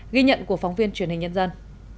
ghi nhận của phóng viên truyền hình nhân dân